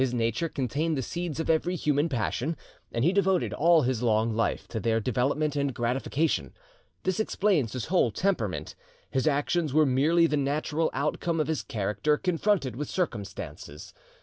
His nature contained the seeds of every human passion, and he devoted all his long life to their development and gratification. This explains his whole temperament; his actions were merely the natural outcome of his character confronted with circumstances.